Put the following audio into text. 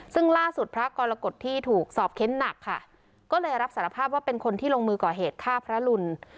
ซึ่งล่าสุดพระกรกฎที่ถูกสอบเค้นหนักค่ะก็เลยรับสารภาพว่าเป็นคนที่ลงมือก่อเหตุฆ่าพระรุน